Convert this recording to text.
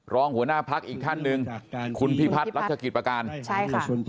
รองหัวหน้าพักอีกท่านหนึ่งคุณพิพัฒน์รัชกิจประการใช่ค่ะ